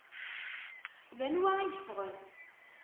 D anwa i yeffɣen?